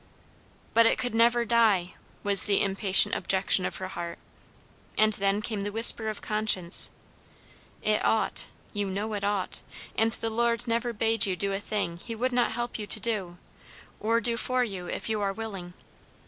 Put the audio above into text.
"But it could never die!" was the impatient objection of her heart; and then came the whisper of conscience, "It ought; you know it ought; and the Lord never bade you do a thing he would not help you to do, or do for you if you are willing."